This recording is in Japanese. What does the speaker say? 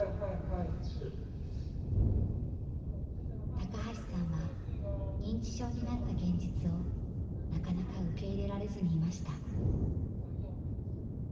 高橋さんは認知症になった現実をなかなか受け入れられずにいました。